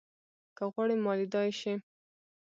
که غواړې ما ليدای شې